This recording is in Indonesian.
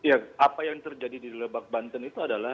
ya apa yang terjadi di lebak banten itu adalah